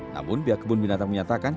namun pihak kebun binatang menyatakan